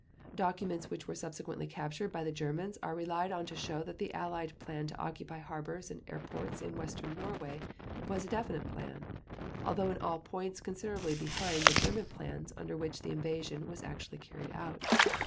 Documents which were subsequently captured by the Germans are relied on to show that the Allied plan to occupy harbors and airports in Western Norway was a definite plan, although in all points considerably behind the German plans under which the invasion was actually carried out.